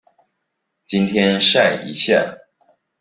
今天曬一下